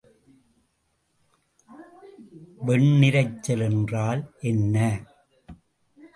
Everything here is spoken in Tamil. வெண்ணிரைச்சல் என்றால் என்ன?